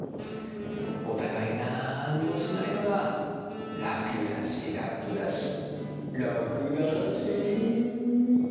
おたがいなんにもしないのがらくだしらくだしらくだだし。